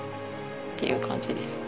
ていう感じですね